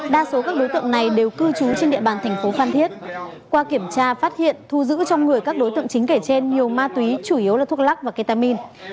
đa số các đối tượng này đều cư trú trên địa bàn thành phố phan thiết qua kiểm tra phát hiện thu giữ trong người các đối tượng chính kể trên nhiều ma túy chủ yếu là thuốc lắc và ketamin